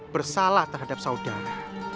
bersalah terhadap saudara